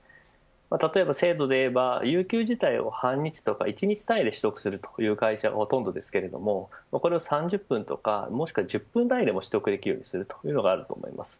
例えば、制度で言えば有給自体を半日とか１日単位で取得するという会社がほとんどですがこれを３０分とか、もしくは１０分単位でも取得できるようにするというのがあると思います。